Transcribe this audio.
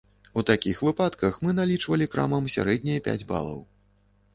У такіх выпадках мы налічвалі крамам сярэднія пяць балаў.